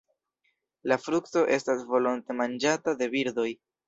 La frukto estas volonte manĝata de birdoj.